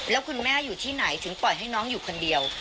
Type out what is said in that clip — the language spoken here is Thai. แล้วคุณแม่อยู่ที่ไหนถึงปล่อยให้น้องอยู่คนเดียว